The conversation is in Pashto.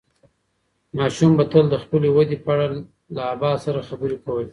ماشوم به تل د خپلې ودې په اړه له ابا سره خبرې کولې.